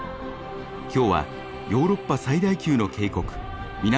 今日はヨーロッパ最大級の渓谷南